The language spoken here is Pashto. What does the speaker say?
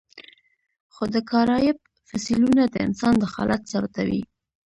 خو د کارایب فسیلونه د انسان دخالت ثابتوي.